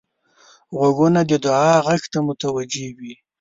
غوږونه د دعا غږ ته متوجه وي